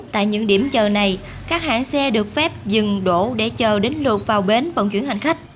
tại những điểm chờ này các hãng xe được phép dừng đổ để chờ đến lượt vào bến vận chuyển hành khách